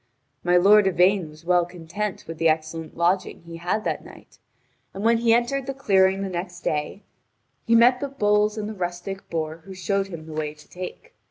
My lord Yvain was well content with the excellent lodging he had that night, and when he entered the clearing the next day, he met the bulls and the rustic boor who showed him the way to take.